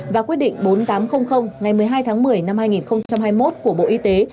và quyết định bốn nghìn tám trăm linh ngày một mươi hai tháng một mươi năm hai nghìn hai mươi một của bộ y tế